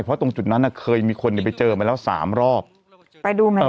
เพราะตรงจุดนั้นน่ะเคยมีคนเนี่ยไปเจอมาแล้วสามรอบไปดูใหม่